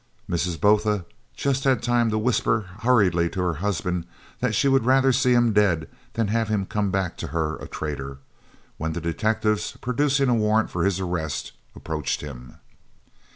Mrs. Botha just had time to whisper hurriedly to her husband that she would rather see him dead than have him come back to her a traitor, when the detectives, producing a warrant for his arrest, approached him.